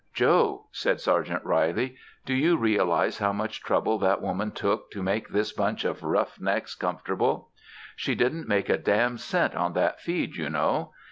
"Joe," said Sergeant Reilly, "do you realize how much trouble that woman took to make this bunch of roughnecks comfortable? She didn't make a damn cent on that feed, you know.